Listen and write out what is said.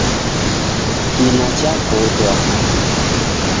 Kina chakotwa